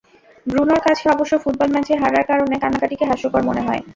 ব্রুনোর কাছে অবশ্য ফুটবল ম্যাচে হারার কারণে কান্নাকাটিকে হাস্যকর মনে হয়।